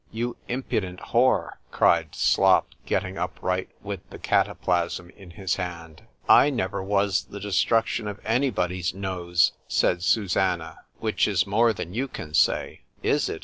—you impudent whore, cried Slop, getting upright, with the cataplasm in his hand;——I never was the destruction of any body's nose, said Susannah,—which is more than you can say:——Is it?